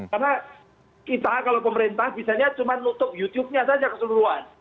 karena kita kalau pemerintah bisanya cuma nutup youtubenya saja keseluruhan